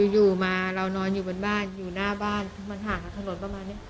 อยู่มาเรานอนอยู่บนบ้านอยู่หน้าบ้านมันห่างกับถนนประมาณนี้